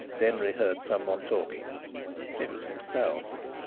Denry heard some one talking. It was himself.